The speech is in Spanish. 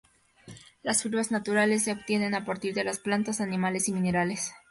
Las fibras naturales se obtienen a partir de plantas, animales y minerales.